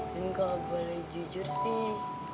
dan kalau boleh jujur sih